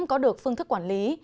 có được phương thức quản lý